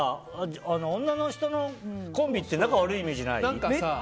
女の人のコンビって仲悪いイメージない？